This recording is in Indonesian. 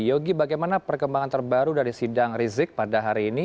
yogi bagaimana perkembangan terbaru dari sidang rizik pada hari ini